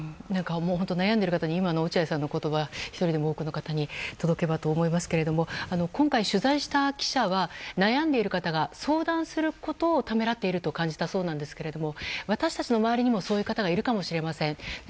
悩んでいる方に今の落合さんの言葉が多くの方に届けばいいと思いますが取材した記者は悩んでいる方が相談することをためらっていると感じたそうなんですが私たちの周りにもそういう方がいるかもしれません。